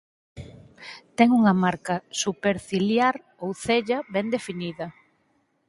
Ten unha marca superciliar ou "cella" ben definida.